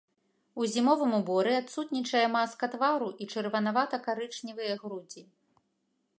У зімовым уборы адсутнічае маска твару і чырванавата-карычневая грудзі.